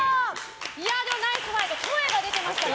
でもナイスファイト声が出てましたね。